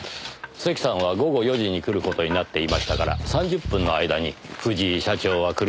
関さんは午後４時に来る事になっていましたから３０分の間に藤井社長は車を止め